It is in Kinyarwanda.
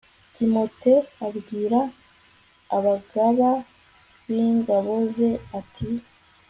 timote abwira abagaba b'ingabo ze ati